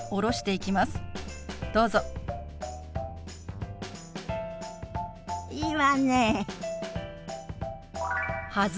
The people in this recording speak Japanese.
いいわね。